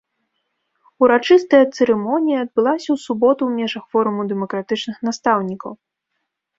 Урачыстая цырымонія адбылася ў суботу ў межах форуму дэмакратычных настаўнікаў.